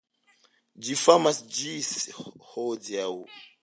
Ĝi famas ĝis hodiaŭ.